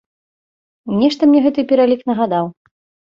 Нешта мне гэты пералік нагадаў.